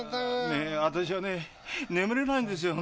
私はね眠れないんですよ